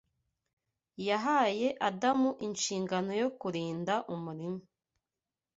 Yahaye Adamu inshingano yo kurinda umurima